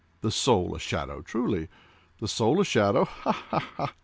The soul a shadow, truly! The soul a shadow; Ha! ha!